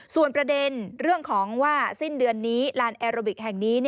ส่วนประเด็นเรื่องของว่าสิ้นเดือนนี้ลานแอโรบิกแห่งนี้